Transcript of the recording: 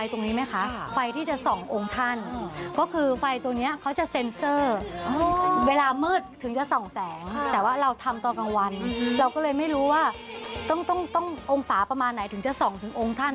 เราก็เลยไม่รู้ว่าต้ององศาประมาณไหนถึงจะส่องถึงองค์ท่าน